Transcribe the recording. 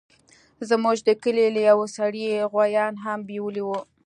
زموږ د کلي له يوه سړي يې غويان هم بيولي وو.